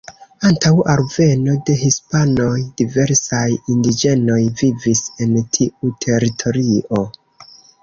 Antaŭ alveno de hispanoj diversaj indiĝenoj vivis en tiu teritorio.